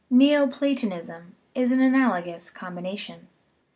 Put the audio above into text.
Neoplatonism is an analogous combination.